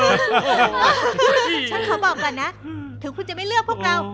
ถึงคุณจะไม่เลือกพวกเรา